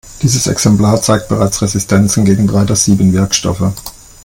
Dieses Exemplar zeigt bereits Resistenzen gegen drei der sieben Wirkstoffe.